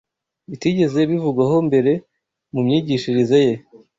bitigeze bivugwaho mbere mu myigishirize ye